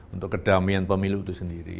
untuk kedamaian pemilu itu sendiri